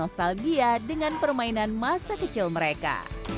nostalgia dengan permainan masa kecil mereka